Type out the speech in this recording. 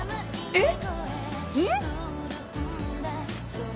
えっ！